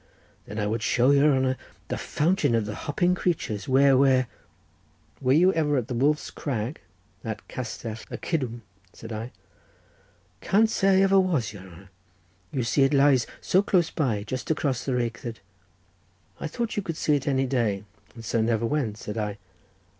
Then I would show your honour the fountain of the hopping creatures, where, where—" "Were you ever at that Wolf's crag, that Castell y Cidwm?" said I. "Can't say I ever was, your honour. You see it lies so close by, just across the lake, that—" "You thought you could see it any day, and so never went," said I.